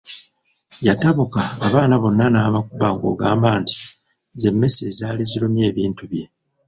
Yatabuka abaana bonna n’abakuba ng’ogamba nti z’emmesse ezaali zirumye ebintu bye.